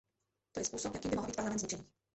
To je způsob, jakým by mohl být parlament zničený.